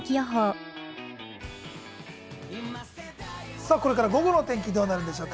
さあ、これから午後の天気、どうなるでしょうか？